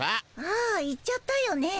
ああ言っちゃったよね。